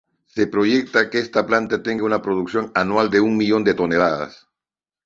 Se proyecta que esta planta tenga una producción anual de un millón de toneladas.